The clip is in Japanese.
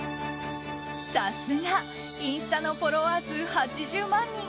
さすがインスタのフォロワー数８０万人。